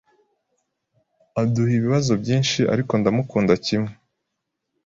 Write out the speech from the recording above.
Aduha ibibazo byinshi, ariko ndamukunda kimwe.